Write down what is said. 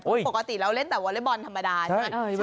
ปกติเราเล่นแต่วอเล็กบอลธรรมดาใช่ไหม